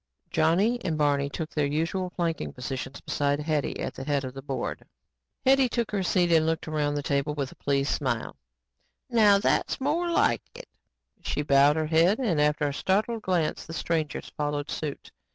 Johnny and Barney took their usual flanking positions beside Hetty at the head of the board. Hetty took her seat and looked around the table with a pleased smile. "Now that's more like it." She bowed her head and, after a startled glance, the strangers followed suit.